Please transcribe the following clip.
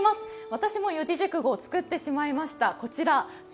私も四字熟語を作ってしまいました。